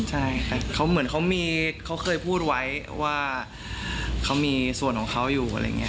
ใช่ครับเขาเหมือนเขาเคยพูดไว้ว่าเขามีส่วนของเขาอยู่อะไรอย่างนี้